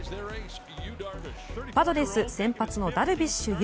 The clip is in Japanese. パドレス先発のダルビッシュ有。